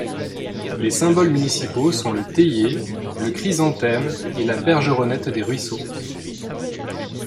Les symboles municipaux sont le théier, le chrysanthème et la bergeronnette des ruisseaux.